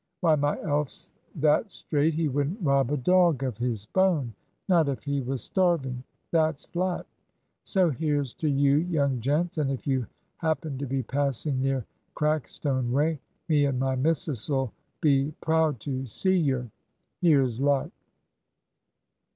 Why, my Alf's that straight he wouldn't rob a dog of his bone, not if he was starving. That's flat. So here's to you, young gents; and if you happen to be passing near Crackstoke way, me and my missus'll be proud to see yer. Here's luck!"